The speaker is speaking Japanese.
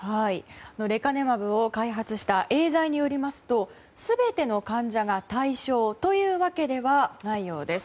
レカネマブを開発したエーザイによりますと全ての患者が対象というわけではないようです。